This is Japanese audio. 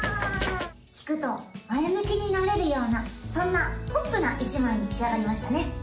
聴くと前向きになれるようなそんなポップな１枚に仕上がりましたね